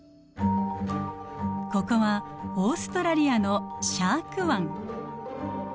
ここはオーストラリアのシャーク湾。